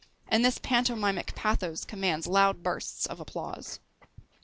and this pantomimic pathos commands loud bursts of applause.